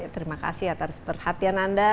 terima kasih atas perhatian anda